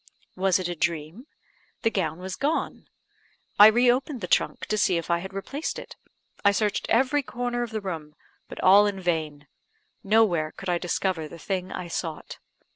Was it a dream? the gown was gone. I re opened the trunk, to see if I had replaced it; I searched every corner of the room, but all in vain; nowhere could I discover the thing I sought.